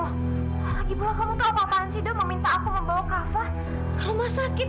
lagipula kamu tuh apa apaan sih dok meminta aku membawa kak fah ke rumah sakit